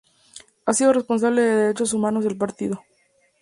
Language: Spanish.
Ha sido responsable de Derechos Humanos del partido.